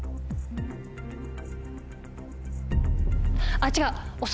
あっ違う。